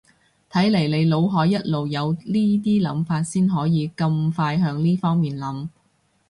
睇嚟你腦海一路有呢啲諗法先可以咁快向呢方面諗